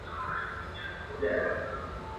有芒筱竹为禾本科筱竹属下的一个种。